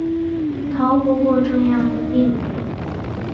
逃不过这样的命运